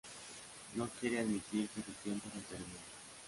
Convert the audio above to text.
No quiere admitir que su tiempo se termina